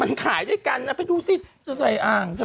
ม้วนวิดจะอองลูกพ่อ